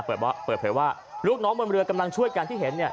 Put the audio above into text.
เปิดบอกเปิดเผยว่าลูกน้องบนบริเวณกำลังช่วยกันที่เห็นเนี่ย